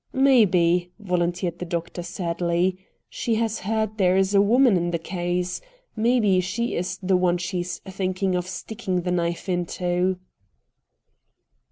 "Maybe," volunteered the doctor sadly, "she has heard there is a woman in the case. Maybe she is the one she's thinking of sticking the knife into?"